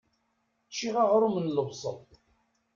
Ččiɣ aɣrum n lebṣel.